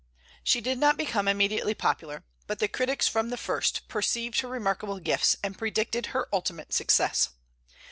She did not become immediately popular, but the critics from the first perceived her remarkable gifts and predicted her ultimate success.